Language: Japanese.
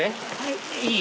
いい？